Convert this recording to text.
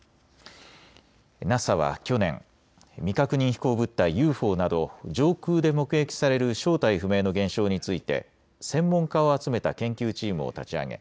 ＮＡＳＡは去年、未確認飛行物体・ＵＦＯなど上空で目撃される正体不明の現象について専門家を集めた研究チームを立ち上げ